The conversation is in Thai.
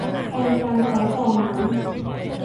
แทนการใช้ฟองน้ำ